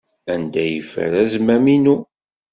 Anda ay yeffer azmam-inu?